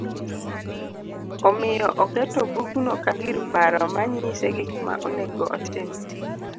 Omiyo oketo bugno ka gir paro ma nyise gik ma onego otim